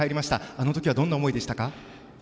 あの時はどんな思いでしたか。